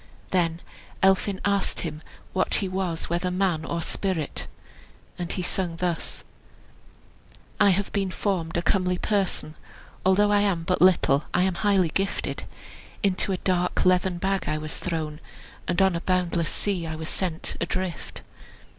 Then Elphin asked him what he was, whether man or spirit. And he sung thus: "I have been formed a comely person; Although I am but little, I am highly gifted; Into a dark leathern bag I was thrown, And on a boundless sea I was sent adrift.